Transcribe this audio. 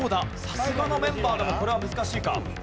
さすがのメンバーでもこれは難しいか？